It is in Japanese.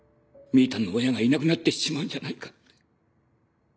みぃたんの親がいなくなってしまうんじゃないかって。